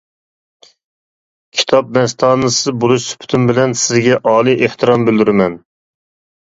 كىتاب مەستانىسى بولۇش سۈپىتىم بىلەن، سىزگە ئالىي ئېھتىرام بىلدۈرىمەن.